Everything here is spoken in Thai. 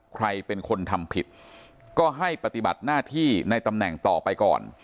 ใครเป็นคนทำผิดก็ให้ปฏิบัติหน้าที่ในตำแหน่งต่อไปก่อน